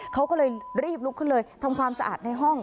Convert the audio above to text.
เขาก็เลยรีบลุกขึ้นเลยทำความสะอาดในห้อง